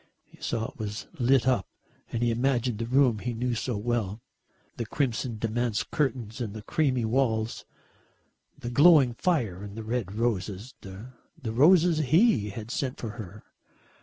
He saw it was lit up and he imagined the room he knew so well. The crimson damask curtains and the creamy walls, the glowing fire and the red roses, the roses he had sent for her.